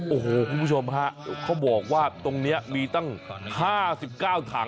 โอ้โหคุณผู้ชมฮะเขาบอกว่าตรงนี้มีตั้ง๕๙ถัง